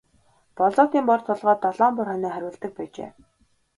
Болзоотын бор толгойд долоон бор хонио хариулдаг байжээ.